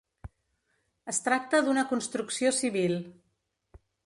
Es tracta d'una construcció civil.